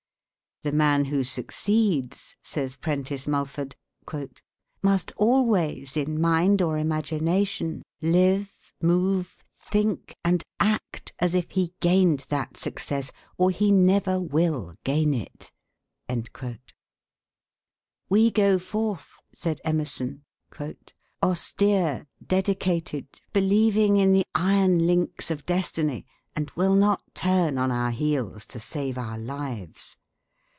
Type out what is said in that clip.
"The man who succeeds," says Prentice Mulford, "must always in mind or imagination live, move, think, and act as if he gained that success, or he never will gain it." "We go forth," said Emerson, "austere, dedicated, believing in the iron links of Destiny, and will not turn on our heels to save our lives.